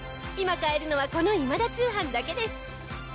今買えるのはこの『今田通販』だけです。